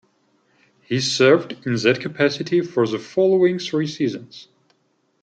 He served in that capacity for the following three seasons.